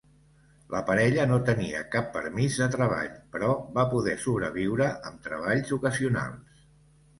La parella no tenia cap permís de treball, però va poder sobreviure amb treballs ocasionals.